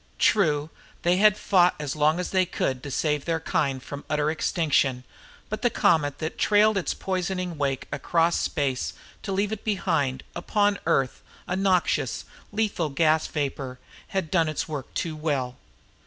True they had fought on as long as they could to save their kind from utter extinction but the comet that had trailed its poisoning wake across space to leave behind it, upon Earth, a noxious, lethal gas vapor, had done its work too well."